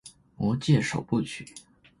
魔戒首部曲